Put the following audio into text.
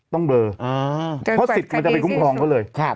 เบลอเพราะสิทธิ์มันจะไปคุ้มครองเขาเลย